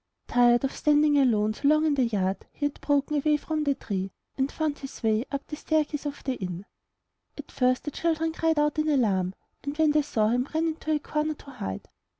Tired of standing alone so long in the yard, he had broken away from the tree, and found his way up the zox MY BOOK HOUSE Staircase of the inn. ''At first the children cried out in alarm when they saw him and ran into a corner to hide.